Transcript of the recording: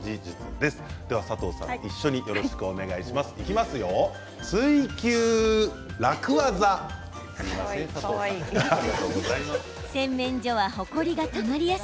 では佐藤さん一緒によろしくお願いします。